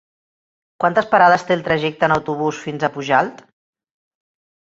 Quantes parades té el trajecte en autobús fins a Pujalt?